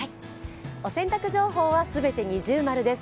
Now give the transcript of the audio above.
お洗濯情報は全て◎です。